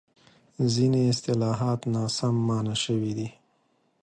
ځینې اصطلاحات ناسم مانا شوي دي.